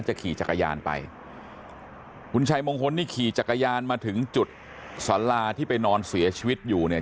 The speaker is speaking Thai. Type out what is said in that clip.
ขี่จักรยานไปคุณชัยมงคลนี่ขี่จักรยานมาถึงจุดสาราที่ไปนอนเสียชีวิตอยู่เนี่ย